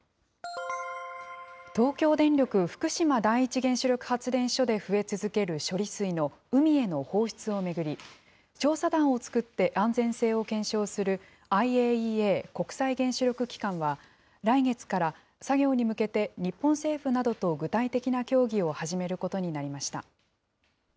東京電力福島第一原子力発電所で増え続ける処理水の海への放出を巡り、調査団を作って安全性を検証するＩＡＥＡ・国際原子力機関は、来月から作業に向けて日本政府などと具体的な協議を始めることになりました。